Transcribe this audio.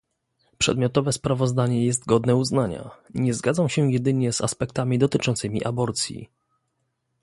Przedmiotowe sprawozdanie jest godne uznania, nie zgadzam się jedynie z aspektami dotyczącymi aborcji